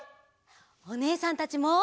おねえさんたちも。